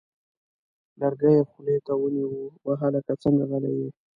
لرګی یې خولې ته ونیوه: وه هلکه څنګه غلی یې!؟